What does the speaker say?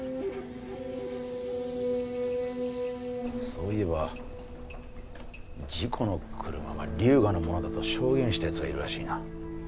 そういえば事故の車は龍河のものだと証言した奴がいるらしいな。